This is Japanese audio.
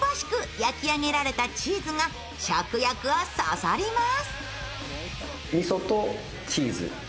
焼き上げられたチーズが食欲をそそります。